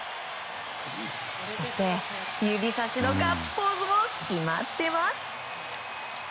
そして、指差しのガッツポーズも決まってます！